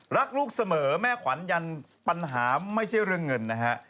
รักลูกเสมอแม่ขวัญยันปัญหาไม่ใช่เรื่องเงินนะฮะ